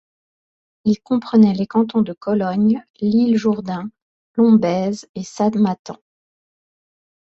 Il comprenait les cantons de Cologne, l'Isle-Jourdain, Lombez et Samatan.